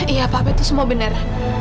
iya pak itu semua benar